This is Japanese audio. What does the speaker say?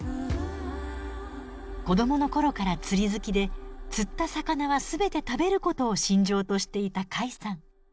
子どもの頃から釣り好きで釣った魚は全て食べることを信条としていた甲斐さん。